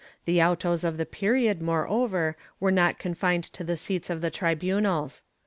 ^ The autos of the period, moreover, were not confined to the seats of the tribunals.